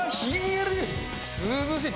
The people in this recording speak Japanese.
涼しい！